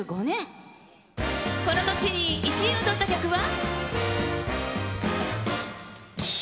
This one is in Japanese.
この年に１位をとった曲は。